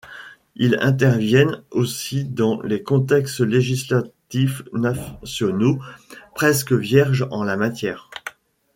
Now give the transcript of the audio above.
Ils interviennent aussi dans les contextes législatifs nationaux presque vierge en la matière.